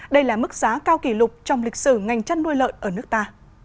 đây là mức giá cao kỷ lục trong lịch sử ngành chăn nuôi lợn ở nước ta